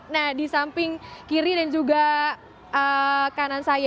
nah di samping kiri dan juga kanan saya